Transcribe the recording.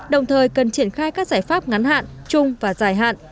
đồng thời cần triển khai các giải pháp ngắn hạn chung và dài hạn